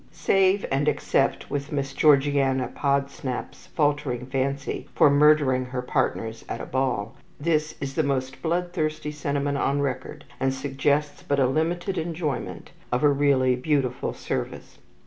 Save and except Miss Georgiana Podsnap's faltering fancy for murdering her partners at a ball, this is the most bloodthirsty sentiment on record, and suggests but a limited enjoyment of a really beautiful service.